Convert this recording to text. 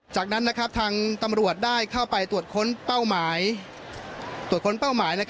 จากนั้นทางตำรวจได้เข้าไปตรวจค้นเป้าหมาย